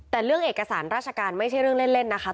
แต่เรื่องเอกสารราชการไม่ใช่เรื่องเล่นนะคะ